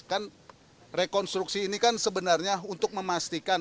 kan rekonstruksi ini kan sebenarnya untuk memastikan